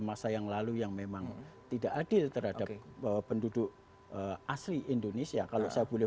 masa yang lalu yang memang tidak adil terhadap penduduk asli indonesia kalau saya boleh